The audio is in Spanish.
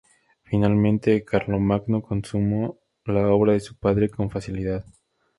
Finalmente, Carlomagno consumó la obra de su padre con facilidad.